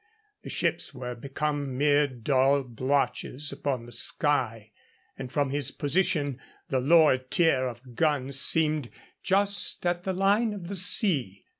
The ships were become mere dull blotches upon the sky, and from his position the lower tier of guns seemed just at the line of the sea.